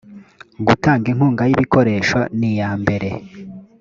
gutanga inkunga y ibikoresho n iyambere